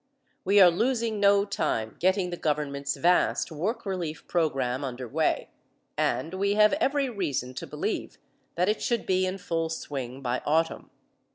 We are losing no time getting the government's vast work relief program underway, and we have every reason to believe that it should be in full swing by autumn.